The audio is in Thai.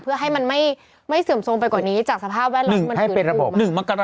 เพื่อให้มันไม่เสี่ยมทรงไปกว่านี้จากสภาพแว่นเรา